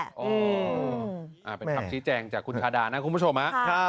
เป็นคำชี้แจงจากคุณชาดานะคุณผู้ชมนะ